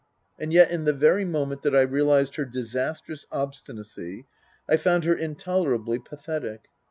And yet in the very moment that I realized her disastrous obstinacy I found her intolerably pathetic.